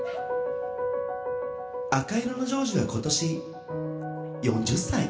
［赤色の譲治は今年４０歳］